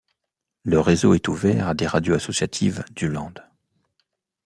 Le réseau est ouvert à des radios associatives du Land.